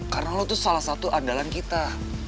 karena lo tuh salah satu andalan kita